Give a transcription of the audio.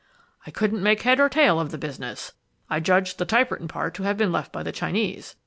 "I couldn't make head or tail of the business. I judged the type written part to have been left by the Chinese.